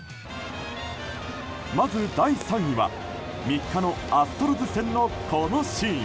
まず第３位は、３日のアストロズ戦のこのシーン。